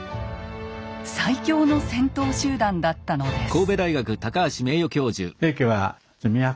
最強の戦闘集団だったのです。